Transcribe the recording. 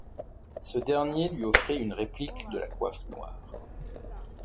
Ce dernier lui offrit une réplique de la coiffe noire.